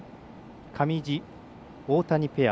上地、大谷ペア。